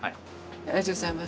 ありがとうございます。